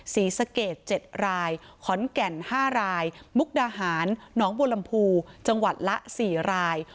ศรีสะเกด๗รายขอนแก่น๕รายมุกดาหารหนองบัวลำพูจังหวัดละ๔ราย